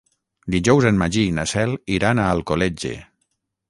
Dijous en Magí i na Cel iran a Alcoletge.